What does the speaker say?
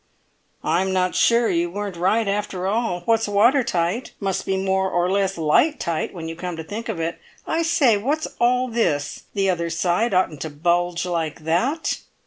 "I'm not sure that you weren't right after all; what's water tight must be more or less light tight, when you come to think of it. I say, what's all this? The other side oughtn't to bulge like that!"